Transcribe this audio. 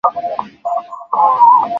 Ulisema jana hakutakuwa na mvua leo.